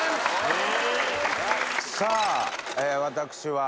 さぁ私は。